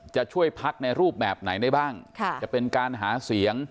จะช่วยพักในรูปแบบไหนได้บ้างจะเป็นการหาเสียง